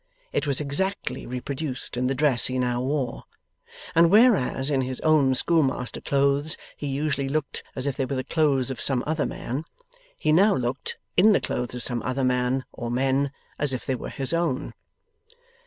It was exactly reproduced in the dress he now wore. And whereas, in his own schoolmaster clothes, he usually looked as if they were the clothes of some other man, he now looked, in the clothes of some other man or men, as if they were his own.